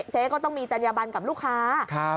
เจ๊ก็ต้องมีจัญญบันกับลูกค้า